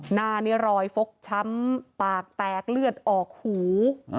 หน้านี้รอยฟกช้ำปากแตกเลือดออกหู